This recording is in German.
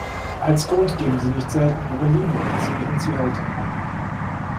Als Grund geben sie nicht selten ihre „Liebe“ zu ihren Zuhältern an.